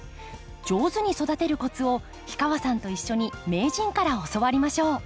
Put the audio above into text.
上手に育てるコツを氷川さんと一緒に名人から教わりましょう。